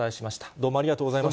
どうもありがとうございまし